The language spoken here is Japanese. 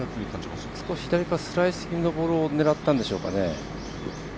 左からスライス気味のボールを狙ったんでしょうか。